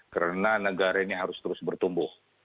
karena negara ini harus terus bertumbuh